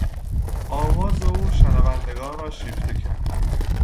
آواز او شنوندگان را شیفته کرد.